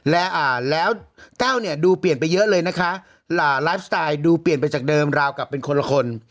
และอ่าแล้วแต้วเนี่ยดูเปลี่ยนไปเยอะเลยนะคะไลฟ์สไตล์ดูเปลี่ยนไปจากเดิมราวกลับเป็นคนละคน